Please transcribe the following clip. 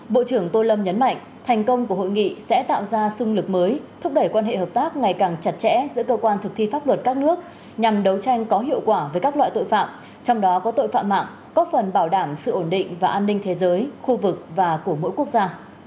bộ trưởng tô lâm nhấn mạnh thành công của hội nghị sẽ tạo ra sung lực mới thúc đẩy quan hệ hợp tác ngày càng chặt chẽ giữa cơ quan thực thi pháp luật các nước nhằm đấu tranh có hiệu quả với các loại tội phạm trong đó có tội phạm mạng góp phần bảo đảm sự ổn định và an ninh thế giới khu vực và của mỗi quốc gia